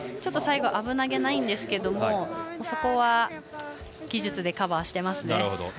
最後危なげないんですがそこは技術でカバーしてますね。